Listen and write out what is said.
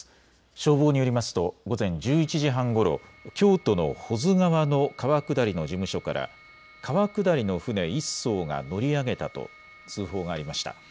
消防によりますと午前１１時半ごろ京都の保津川の川下りの事務所から川下りの舟１そうが乗り上げたと通報がありました。